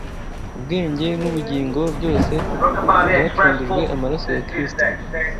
ubwenge n’ubugingo, byose byacungujwe amaraso ya Kristo